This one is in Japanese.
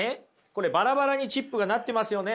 これバラバラにチップがなってますよね